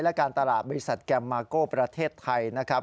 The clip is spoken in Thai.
และการตลาดบริษัทแกมมาโก้ประเทศไทยนะครับ